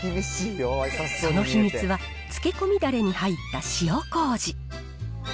その秘密は、漬け込みだれに入った塩こうじ。